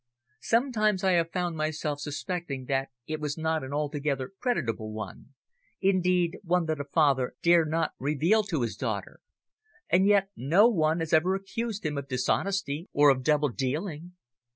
Sometimes I have found myself suspecting that it was not an altogether creditable one indeed, one that a father dare not reveal to his daughter. And yet no one has ever accused him of dishonesty or of double dealing.